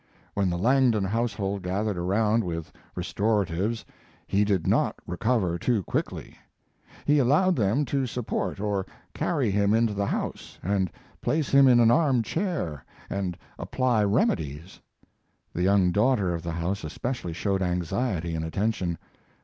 When the Langdon household gathered around with restoratives he did not recover too quickly. He allowed them to support or carry him into the house and place him in an arm chair and apply remedies. The young daughter of the house especially showed anxiety and attention.